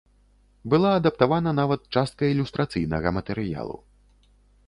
Была адаптавана нават частка ілюстрацыйнага матэрыялу.